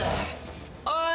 おい！